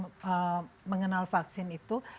kita sudah mengenal vaksin itu